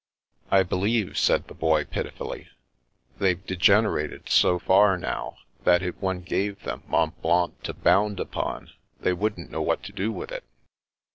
*' I believe," said the Boy pitifully, " they've de generated so far now, that, if one gave them Mont Blanc to bound upon, they wouldn't know what to do with it."